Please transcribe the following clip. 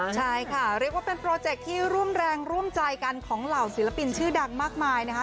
ใช่ค่ะเรียกว่าเป็นโปรเจคที่ร่วมแรงร่วมใจกันของเหล่าศิลปินชื่อดังมากมายนะคะ